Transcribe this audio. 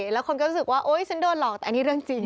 แล้วคนก็รู้สึกว่าโอ๊ยฉันโดนหลอกแต่อันนี้เรื่องจริง